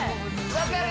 分かる！